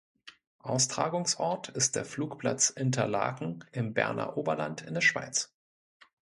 Austragungsort ist der Flugplatz Interlaken im Berner Oberland in der Schweiz.